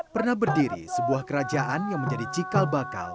pernah berdiri sebuah kerajaan yang menjadi cikal bakal